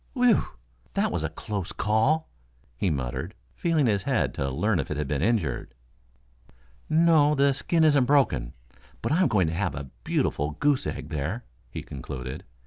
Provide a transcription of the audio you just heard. "Whew! That was a close call," he muttered, feeling his head to learn if it had been injured. "No; the skin isn't broken, but I'm going to have a beautiful goose egg there," he concluded.